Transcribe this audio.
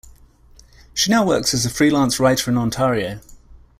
She now works as a freelance writer in Ontario.